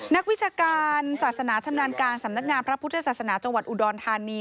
นักวิชาการศาสนาชำนาญการสำนักงานพระพุทธศาสนาจังหวัดอุดรธานี